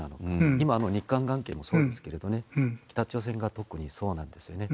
今の日韓関係もそうですけどね、北朝鮮が特にそうなんですよね。